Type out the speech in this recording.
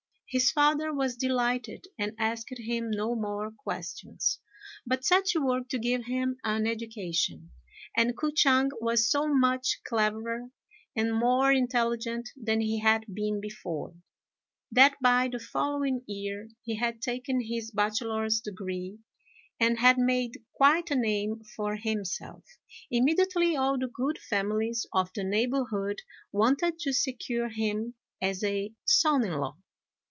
His father was delighted, and asked him no more questions, but set to work to give him an education; and K'o ch'ang was so much cleverer and more intelligent than he had been before, that by the following year he had taken his bachelor's degree and had made quite a name for himself. Immediately all the good families of the neighbourhood wanted to secure him as a son in law.